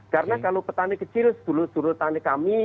karena kalau petani kecil sejurut jurut tani kami